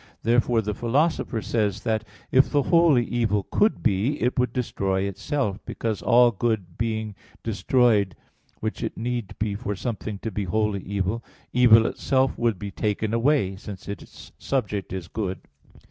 Therefore, the Philosopher says (Ethic. iv, 5) that "if the wholly evil could be, it would destroy itself"; because all good being destroyed (which it need be for something to be wholly evil), evil itself would be taken away, since its subject is good.